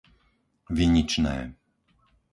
Viničné